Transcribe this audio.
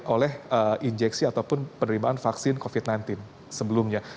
oleh injeksi ataupun penerimaan vaksin covid sembilan belas sebelumnya